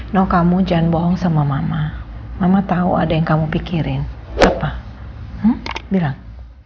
no kamu jangan bohong sama mama mama tahu ada yang kamu pikirin apa bilang